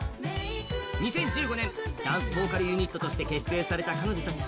２０１５年、ダンスボーカルユニットとして結成された彼女たち。